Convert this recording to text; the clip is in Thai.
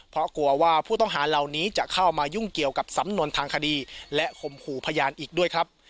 เพราะกลัวว่าผู้ต้องหาเหล่านี้จะเข้ามายุ่งเกี่ยวกับสำนวนทางคดีและข่มขู่พยานอีกด้วยครับ